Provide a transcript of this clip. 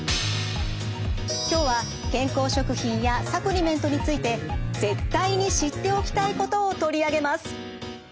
今日は健康食品やサプリメントについて絶対に知っておきたいことを取り上げます。